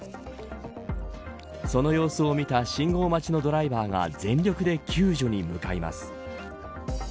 その様子を見た信号待ちのドライバーが全力で救助に向かいます。